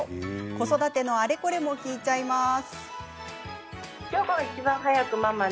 子育てのあれこれも聞いちゃいます。